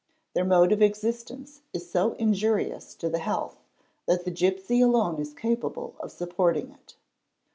Their mode of existence is so injurious to the — health that the gipsy alone is capable of supporting it.